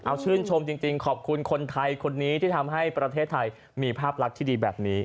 เอาชื่นชมจริงขอบคุณคนไทยคนนี้ที่ทำให้ประเทศไทยมีภาพลักษณ์ที่ดีแบบนี้